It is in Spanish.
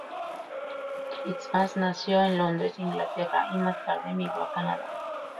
Christmas nació en Londres, Inglaterra y más tarde emigró a Canadá.